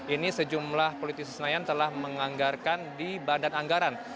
ini sejumlah politisi senayan telah menganggarkan di badan anggaran